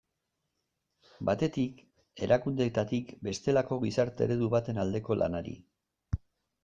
Batetik, erakundeetatik bestelako gizarte eredu baten aldeko lanari.